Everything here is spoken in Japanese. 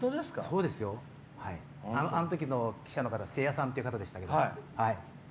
あんときの記者の方せやさんって方でしたけど。